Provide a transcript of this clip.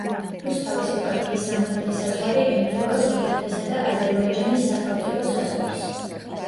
რუსთავის ეპარქიის სამხრეთი საზღვარი ემთხვევა სომხეთისა და აზერბაიჯანის სახელმწიფო საზღვარს.